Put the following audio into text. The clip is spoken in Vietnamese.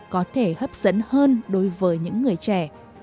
có thể hấp dẫn hơn đối với những người trẻ